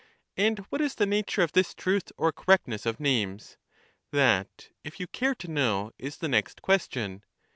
And what is the nature of this truth or correctness of names? That, if you care to know, is the next question.